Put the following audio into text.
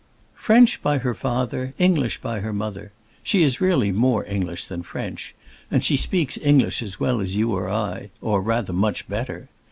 "French by her father, English by her mother. She is really more English than French, and she speaks English as well as you or I—or rather much better.